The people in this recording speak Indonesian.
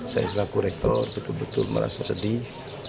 saya selaku rektor betul betul merasa sedih